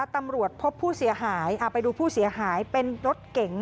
ตำรวจพบผู้เสียหายเอาไปดูผู้เสียหายเป็นรถเก๋ง